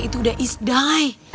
itu udah isdai